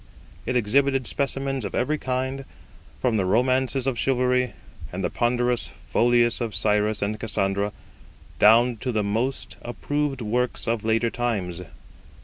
It exhibited specimens of every kind, from the romances of chivalry and the ponderous folios of Cyrus and Cassandra, down to the most approved works of later times.